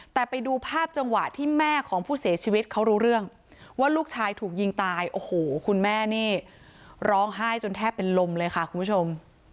แต่ไปดูภาพจังหวะที่แม่ของผู้เสียชีวิตเขารู้เรื่องว่าลูกชายถูกยิงตายโอ้โหคุณแม่นี่ร้องไห้จนแทบเป็นลมเลยค่ะคุณผู้ชม